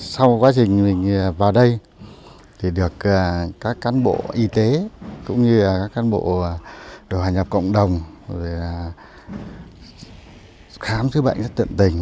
sau quá trình mình vào đây được các cán bộ y tế cũng như các cán bộ đồ hòa nhập cộng đồng khám sức bệnh rất tự tình